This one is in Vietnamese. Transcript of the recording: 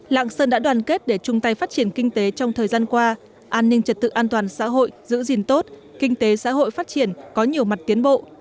lạng sơn đã đoàn kết để chung tay phát triển kinh tế trong thời gian qua an ninh trật tự an toàn xã hội giữ gìn tốt kinh tế xã hội phát triển có nhiều mặt tiến bộ